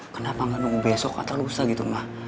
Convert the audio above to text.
kenapa gak nunggu besok atau lusa gitu ma